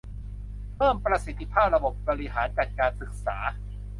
เพิ่มประสิทธิภาพระบบบริหารจัดการศึกษา